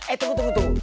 eh tunggu tunggu tunggu